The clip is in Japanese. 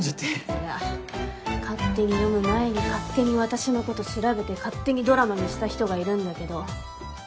いや勝手に読む前に勝手に私のこと調べて勝手にドラマにした人がいるんだけど。